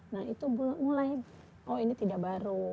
nah itu mulai oh ini tidak baru